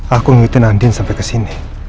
aku ngikutin andin sampai kesini